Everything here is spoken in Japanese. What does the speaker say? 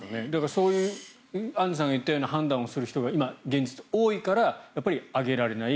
そういうアンジュさんが言ったような判断をする人が今、現実多いからやっぱり上げられない。